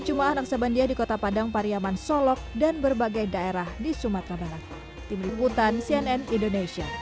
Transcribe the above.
jumat naksabandiyah di kota padang pariyaman solok dan berbagai daerah di sumatera timur hutan cnn